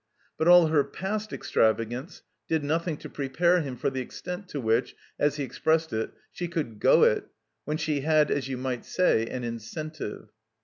But all her past extravagance did nothing to prepare him for the extent to which, as he ex pressed it, she could "go it," when she had, as you might say, an incentive.